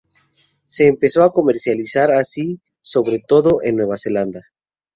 Se empezó a comercializar así sobre todo en Nueva Zelanda.